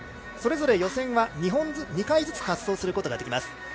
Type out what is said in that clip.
それぞれ予選は２回ずつ滑走することができます。